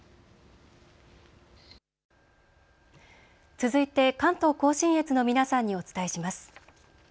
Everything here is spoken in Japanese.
続いて関東甲信越の皆さんにお伝えします。